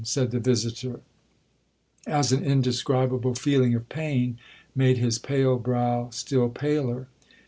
said the visitor, as an indescribable feeling of pain made his pale brow still paler.